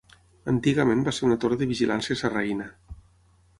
Antigament va ser una torre de vigilància sarraïna.